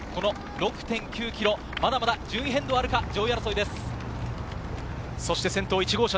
６．９ｋｍ、まだまだ順位変動があるか、上位争いです。